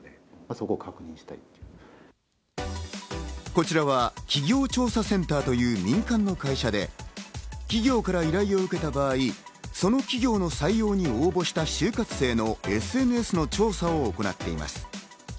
こちらは企業調査センターという民間の会社で、企業から依頼を受けた場合、その企業の採用に応募した就活生のＳＮＳの調査を行っています。